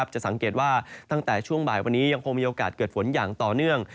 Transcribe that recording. จะสังเกตว่าตั้งแต่ช่วงบ่ายวันนี้ยังคงมีโอกาสเกิดฝนอย่างต่อเนื่อง